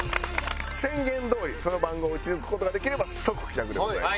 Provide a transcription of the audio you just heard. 宣言どおりその番号を撃ち抜く事ができれば即帰宅でございます。